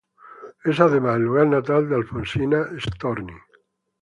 Es además el lugar natal de Alfonsina Storni.